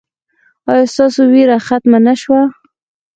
ایا ستاسو ویره ختمه نه شوه؟